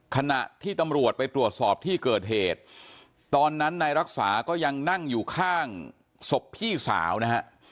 ขณะที่ตำรวจไปตรวจสอบที่เกิดเหตุตอนนั้นนายรักษาก็ยังนั่งอยู่ข้างศพพี่สาวนะฮะ